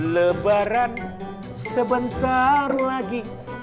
lebaran sebentar lagi